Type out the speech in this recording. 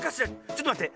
⁉ちょっとまって。